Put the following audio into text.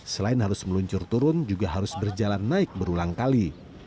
selain harus meluncur turun juga harus berjalan naik berulang kali